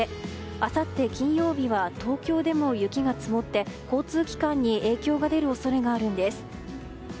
あさって金曜日は東京でも雪が積もって交通機関に影響が出る恐れがあるんです。